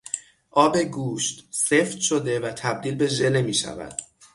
آب گوشت، سفت شده و تبدیل به ژله میشود.